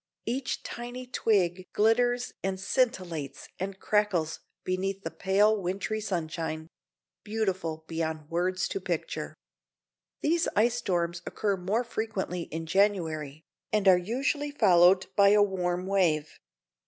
Each tiny twig glitters and scintillates and crackles beneath the pale wintry sunshine; beautiful beyond words to picture. These ice storms occur more frequently in January, and are usually followed by a warm wave.